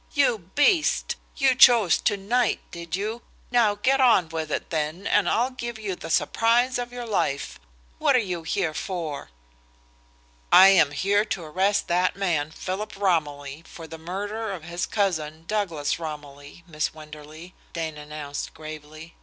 "You beast! You chose to night, did you? Now get on with it, then, and I'll give you the surprise of your life. What are you here for?" "I am here to arrest that man, Philip Romilly, for the murder of his cousin, Douglas Romilly, Miss Wenderley," Dane announced gravely.